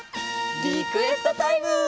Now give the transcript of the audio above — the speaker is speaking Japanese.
リクエストタイム！